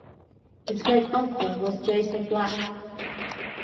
His great uncle was Joseph Black.